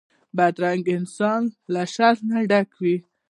بدرنګه انسان له شر نه ډک وي